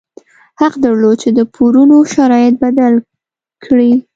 حق درلود چې د پورونو شرایط بدل کړي.